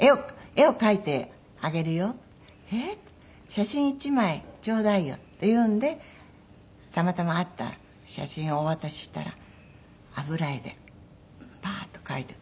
「写真１枚ちょうだいよ」って言うんでたまたまあった写真をお渡ししたら油絵でパーッと描いて。